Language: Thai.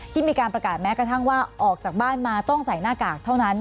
มีการประกาศแม้กระทั่งว่าออกจากบ้านมาต้องใส่หน้ากากเท่านั้น